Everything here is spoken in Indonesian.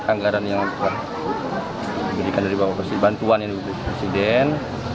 anggaran yang dibutuhkan dari bapak presiden bantuan yang dibutuhkan oleh presiden